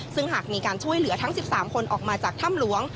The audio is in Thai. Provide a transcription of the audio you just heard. ซึ่งหากมีการช่วยเหลือทั้ง๑๓คนออกมาจากถ้ำหลวง